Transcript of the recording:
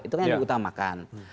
itu yang di utamakan